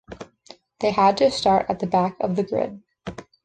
They had to start at the back of the grid.